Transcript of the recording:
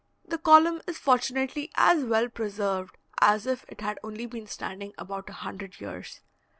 The column is fortunately as well preserved as if it had only been standing about a hundred years.